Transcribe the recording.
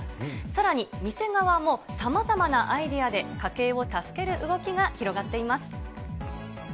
さらに、店側もさまざまなアイデアで家計を助ける動きが広がっています。